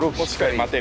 待てる。